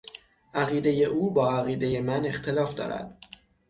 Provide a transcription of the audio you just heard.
عقیدهٔ او با عقیدهٔ من اختلاف دارد.